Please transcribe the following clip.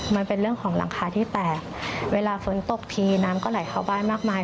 มันเป็นเรื่องของหลังคาที่แตกเวลาฝนตกทีน้ำก็ไหลเข้าบ้านมากมาย